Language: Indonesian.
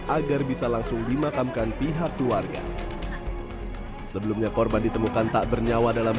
agar bisa langsung dimakamkan pihak keluarga sebelumnya korban ditemukan tak bernyawa dalam